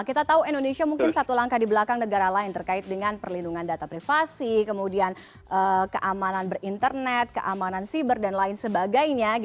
kita tahu indonesia mungkin satu langkah di belakang negara lain terkait dengan perlindungan data privasi kemudian keamanan berinternet keamanan siber dan lain sebagainya